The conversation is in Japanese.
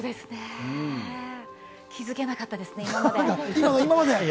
気付けなかったですね、今まで。